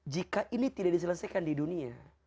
jika ini tidak diselesaikan di dunia